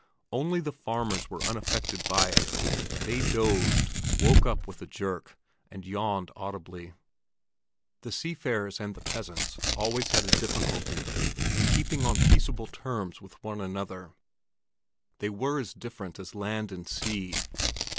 Only the farmers were unaffected by it; they dozed, woke up with a jerk, and yawned audibly. The seafarers and the peasants always had a difficulty in keeping on peaceable terms with one another; they were as different as land and sea.